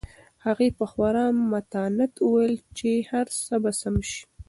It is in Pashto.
هغې په خورا متانت وویل چې هر څه به سم شي.